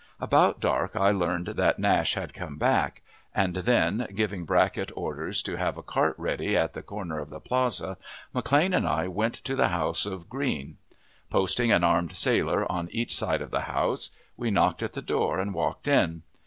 About dark I learned that Nash had come back, and then, giving Brackett orders to have a cart ready at the corner of the plaza, McLane and I went to the house of Green. Posting an armed sailor on each side of the house, we knocked at the door and walked in.